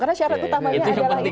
karena syarat utamanya adalah itu